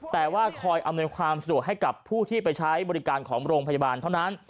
แต่ว่าคอยอำนวยความสะดวกให้กับผู้ที่ไปใช้บริการของโรงพยาบาลเท่านั้น